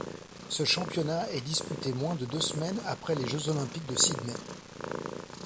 Ce championnat est disputé moins de deux semaines après les Jeux olympiques de Sydney.